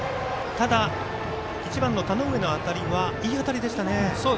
ただ１番の田上の当たりはいい当たりでしたね。